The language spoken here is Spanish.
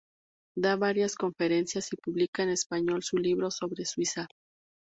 Da varias conferencias y publica en español su libro sobre Suiza.